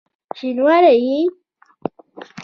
شینواری یې؟!